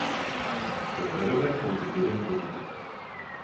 Byl vyroben pouze jeden prototyp.